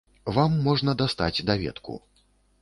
Вам можна дастаць даведку.